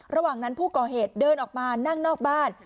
ระหว่างนั้นผู้ก่อเหตุเดินออกมานั่งนอกบ้าน